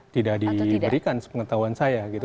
tidak diberikan sepengetahuan saya